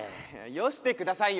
よして下さいよ！